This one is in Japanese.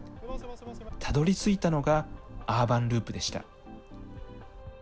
たどりついたのがアーバンループでした。